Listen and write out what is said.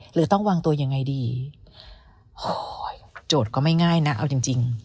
หรือต้องวางตัวยังไงดีโจทย์ก็ไม่ง่ายนะเอาจริงจริง